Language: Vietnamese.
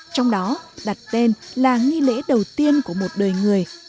trong đó đặt tên là nghi lễ đầu tiên của một đời người